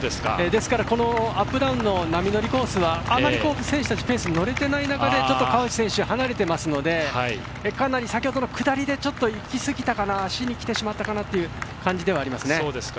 ですから、アップダウンの波乗りコースはあまり選手たちペースに乗れていない中で川内選手が離れてますのでかなり先ほどの下りでいきすぎたかな足にきてしまったかなという感じではありますね。